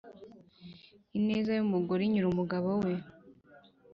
Ineza y’umugore inyura umugabo we,